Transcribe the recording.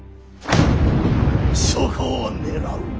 そこを狙う！